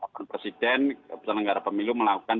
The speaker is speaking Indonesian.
nah ini harapan presiden penelenggara pemilu melakukan